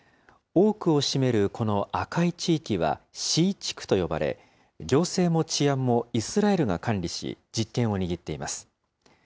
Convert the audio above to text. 多くを占めるこの赤い地域はＣ地区と呼ばれ、行政も治安もイスラエルが管理し、実権を握っています。